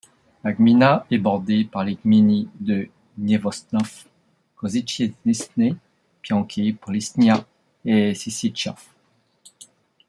La gmina est bordée par les gminy de Gniewoszów, Kozienice, Pionki, Policzna et Sieciechów.